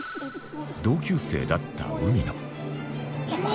同級生だった海野